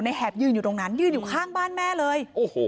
แหบยืนอยู่ตรงนั้นยืนอยู่ข้างบ้านแม่เลย